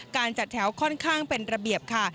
การจัดแถวค่อนข้างเป็นระเบียบค่ะ